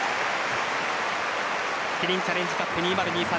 キリンチャレンジカップ２０２３